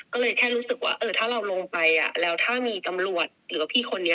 ก็เลยแค่รู้สึกว่าเออถ้าเราลงไปแล้วถ้ามีตำรวจหรือว่าพี่คนนี้